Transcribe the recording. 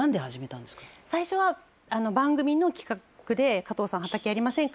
最初は番組の企画で加藤さん畑やりませんか？